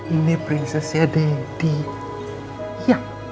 ini prinsesnya daddy